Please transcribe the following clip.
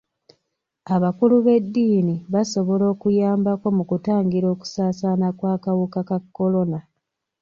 Abakulu b'edddiini basobola okuyambako mu kutangira okusaasaana kw'akawuka ka kolona.